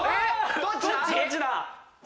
どっちだ